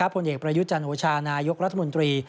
ผลเอกประยุทธ์จันโอชานายกรัฐมนตรี